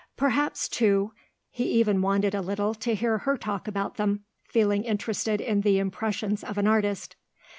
Perhaps too he even wanted a little to hear her talk about them, feeling interested in the impressions of an artist.